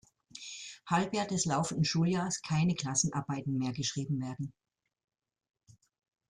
Halbjahr des laufenden Schuljahres keine Klassenarbeiten mehr geschrieben werden.